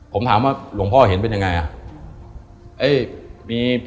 ผมถามว่าหลวงพ่อเห็นเป็นยังไงอ่ะ